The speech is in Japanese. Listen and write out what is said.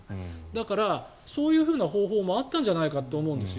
だからそういう方法もあったんじゃないかと思うんです。